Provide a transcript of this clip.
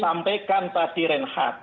saya sampaikan tadi renhad